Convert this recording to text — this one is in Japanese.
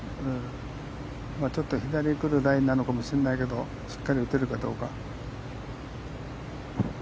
ちょっと左に来るラインなのかもしれないけどしっかり打てるかどうか。